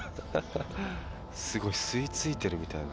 すごい吸いついてるみたい。